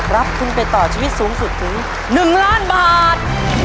รับทุนไปต่อชีวิตสูงสุดถึง๑ล้านบาท